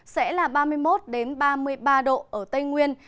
sẽ là ba mươi một ba mươi ba độ ở tây nguyên